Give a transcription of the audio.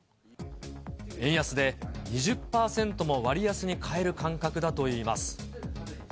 円安で２０％も割安に買える感覚だといいます。